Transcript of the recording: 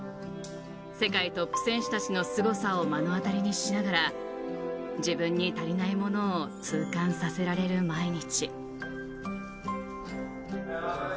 世界トップ選手たちのすごさを目の当たりにしながら自分に足りないものを痛感させられる毎日。